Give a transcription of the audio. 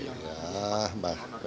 kelompok lama yang sempat